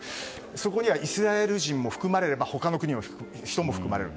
そこにはイスラエル人も含まれる他の国の人も含まれている。